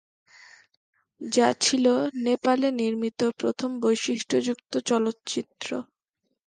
যা ছিল নেপালে নির্মিত প্রথম বৈশিষ্ট্যযুক্ত চলচ্চিত্র।